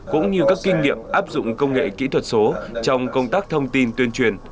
cũng như các kinh nghiệm áp dụng công nghệ kỹ thuật số trong công tác thông tin tuyên truyền